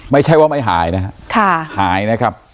ไม่ใช่ว่าไม่หายนะครับ